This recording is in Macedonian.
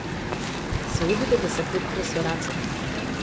Се обиде да се потпре со рацете.